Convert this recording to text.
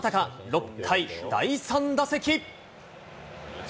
６回、第３打席。